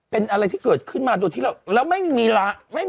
เป็นอะไรที่เกิดขึ้นมาโดยที่เราแล้วไม่มีละ